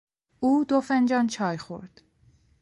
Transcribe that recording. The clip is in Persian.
او دو فنجان چای خورد.